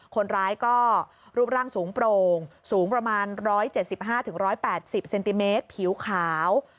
คนร้ายก็รูปร่างสูงโปร่งสูงประมาณ๑๗๕๑๘๐เซนติเมตรผิวขาว